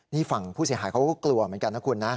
นี่ฝั่งผู้เสียหายเขาก็กลัวเหมือนกันนะคุณนะ